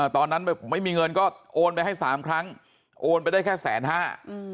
ตอนนั้นไม่มีเงินก็โอนไปให้สามครั้งโอนไปได้แค่แสนห้า